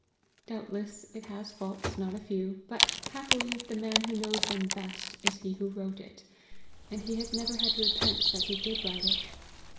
Doubtless it has faults not a few, but, happily, the man who knows them best is he who wrote it, and he has never had to repent that he did write it.